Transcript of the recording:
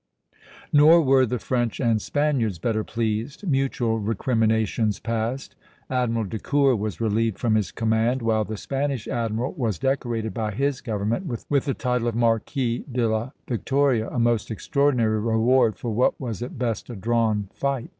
Nor were the French and Spaniards better pleased; mutual recriminations passed. Admiral de Court was relieved from his command, while the Spanish admiral was decorated by his government with the title of Marquis de la Victoria, a most extraordinary reward for what was at best a drawn fight.